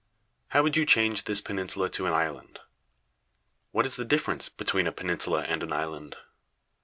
How would you change this peninsula to an island? What is the difference between a peninsula and an island?